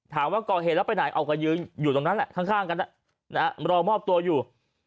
ก่อเหตุแล้วไปไหนเอาก็ยืนอยู่ตรงนั้นแหละข้างกันรอมอบตัวอยู่